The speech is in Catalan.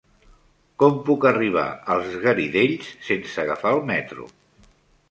Com puc arribar als Garidells sense agafar el metro?